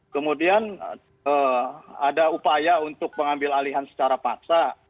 kemudian ada upaya untuk pengambil alihan secara paksa